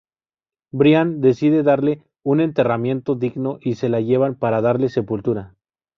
Brian decide darle un enterramiento digno y se la llevan para darle sepultura.